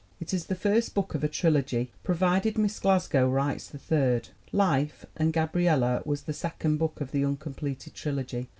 It is the first book of a trilogy provided Miss Glasgow writes the third! Life and Gabriella was the second book of the uncompleted trilogy.